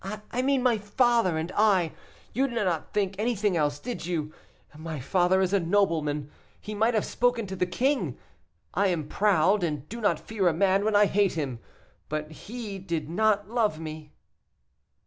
"I mean my father and I; you did not think anything else, did you? My father is a nobleman he might have spoken to the king; I am proud, and do not fear a man when I hate him. But he did not love me."